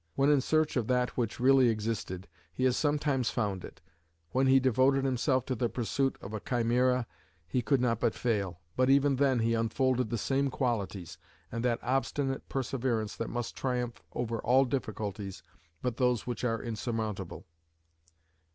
When in search of that which really existed, he has sometimes found it; when he devoted himself to the pursuit of a chimera, he could not but fail, but even then he unfolded the same qualities, and that obstinate perseverance that must triumph over all difficulties but those which are insurmountable."